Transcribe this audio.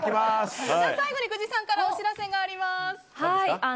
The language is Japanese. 最後に久慈さんからお知らせがあります。